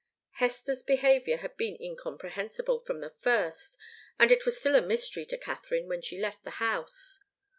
Hester's behaviour had been incomprehensible from the first, and it was still a mystery to Katharine when she left the house.